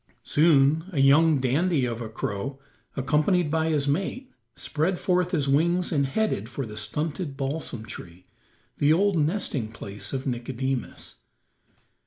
Soon a young dandy of a crow, accompanied by his mate, spread forth his wings and headed for the stunted balsam tree, the old nesting place of Nicodemus.